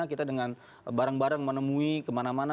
kita dengan bareng bareng menemui kemana mana